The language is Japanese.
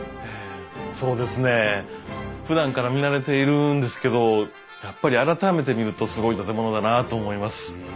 そうですね。ふだんから見慣れているんですけどやっぱり改めて見るとすごい建物だなと思います。